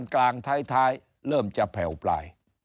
กลางท้ายเริ่มจะแผ่วปลาย